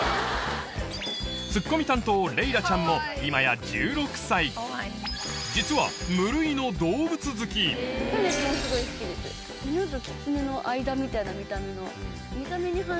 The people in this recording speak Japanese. ツッコミ担当レイラちゃんも今や１６歳実は無類のフェネックもすごい好きです